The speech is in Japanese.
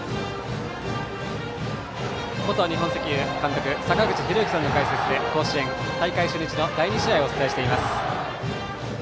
元日本石油監督坂口裕之さんの解説で甲子園大会初日の第２試合をお伝えしています。